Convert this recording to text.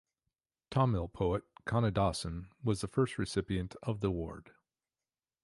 Tamil poet Kannadasan was the first recipient of the award.